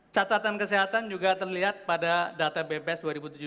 catatan kesehatan juga terlihat pada data bps dua ribu tujuh belas